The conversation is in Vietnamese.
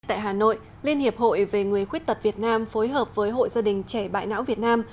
tại hà nội liên hiệp hội về người khuyết tật việt nam phối hợp với hội gia đình trẻ bại não việt nam